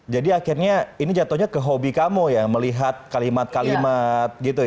jadi akhirnya ini jatuhnya ke hobi kamu ya melihat kalimat kalimat gitu ya